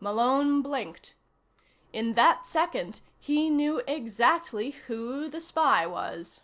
Malone blinked. In that second, he knew exactly who the spy was.